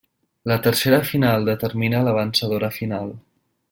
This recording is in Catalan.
La tercera final determina la vencedora final.